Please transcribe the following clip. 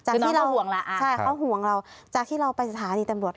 คือน้องเขาห่วงละอาจเขาห่วงเราจากที่เราไปสถานีตำรวจ